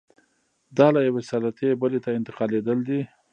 دا له یوې سلطې بلې ته انتقالېدل دي.